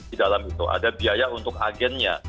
di dalam itu ada biaya untuk agennya